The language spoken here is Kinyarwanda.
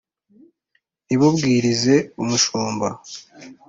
Nti: bubwirize umushumba